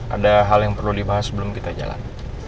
ada hal yang perlu dibahas sebelum kita jalan